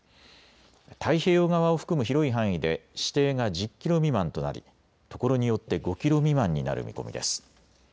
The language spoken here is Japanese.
太平洋側を含む広い範囲で視程が１０キロ未満となり、ところによって５キロ未満になる見込みです。